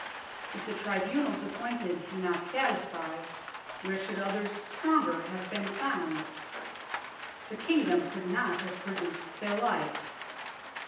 If the tribunals appointed do not satisfy, where should others stronger have been found ? The Kingdom could not have produced their like.